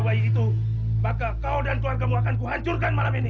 bayi itu maka kau dan keluargamu akan kuhancurkan malam ini